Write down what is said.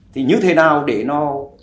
thì như thế nào để nó